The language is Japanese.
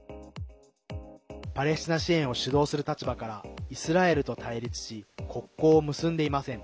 パレスチナ支援を主導する立場からイスラエルと対立し国交を結んでいません。